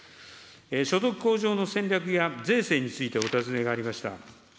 所得向上の戦略や税制についてお尋ねがありました。